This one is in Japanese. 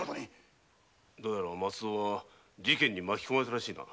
松造は事件に巻き込まれたらしいな。